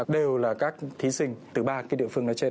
đều là các thí sinh từ ba địa phương